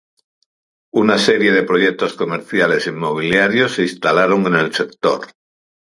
Una serie de Proyectos Comerciales e Inmobiliarios se instalaran en el Sector.